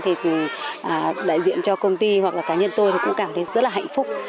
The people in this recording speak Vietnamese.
thì đại diện cho công ty hoặc là cá nhân tôi thì cũng cảm thấy rất là hạnh phúc